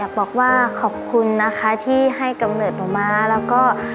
บอกว่าขอบคุณนะคะที่ให้กำเนิดหนูม้าแล้วก็